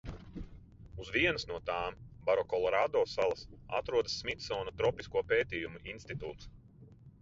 Uz vienas no tām – Barokolorado salas – atrodas Smitsona tropisko pētījumu institūts.